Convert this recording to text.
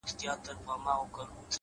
خپل وخت د مهمو کارونو لپاره وساتئ